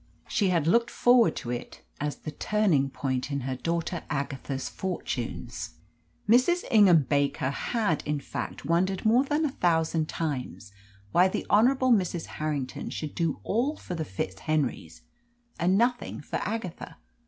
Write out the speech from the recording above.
She had looked forward to it as the turning point in her daughter Agatha's fortunes. Mrs. Ingham Baker had, in fact, wondered more than a thousand times why the Honourable Mrs. Harrington should do all for the FitzHenrys and nothing for Agatha.